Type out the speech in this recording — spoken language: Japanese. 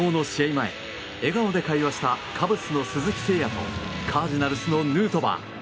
前、笑顔で会話したカブスの鈴木誠也とカージナルスのヌートバー。